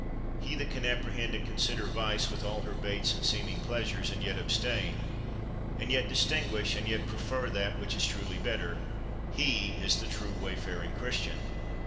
He that can apprehend and consider vice with all her baits and seeming pleasures, and yet abstain, and yet distinguish, and yet prefer that which is truly better, he is the true wayfaring Christian.